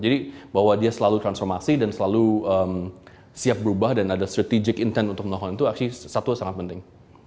bahwa dia selalu transformasi dan selalu siap berubah dan ada strategic intent untuk melakukan itu actual satu sangat penting